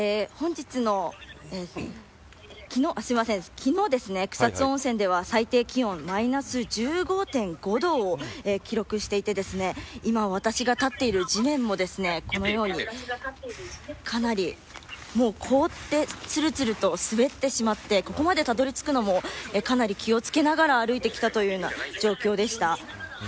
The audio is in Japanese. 昨日、草津温泉では最低気温マイナス１５．５度を記録していて、今私が立っている地面もこのようにかなり凍ってつるつると滑ってしまってここまで、たどりつくのもかなり気を付けながら歩いてきた状況でした。